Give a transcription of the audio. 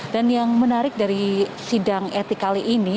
dan yang menarik dari sidang etik kali ini